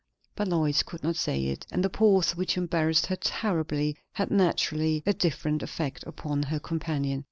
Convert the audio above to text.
But Lois could not say it; and the pause, which embarrassed her terribly, had naturally a different effect upon her companion.